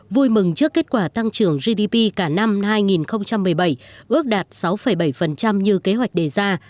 vui mừng trước kết quả tăng trưởng gdp cả năm hai nghìn một mươi bảy ước đạt sáu bảy như kế hoạch đề ra